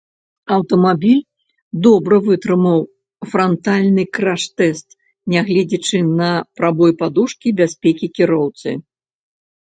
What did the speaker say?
Аўтамабіль добра вытрымаў франтальны краш-тэст, нягледзячы на прабой падушкі бяспекі кіроўцы.